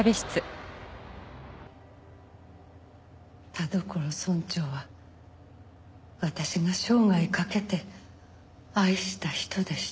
田所村長は私が生涯かけて愛した人でした。